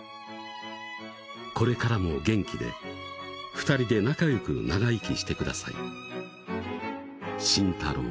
「これからも元気で二人で仲良く長生きして下さい慎太郎」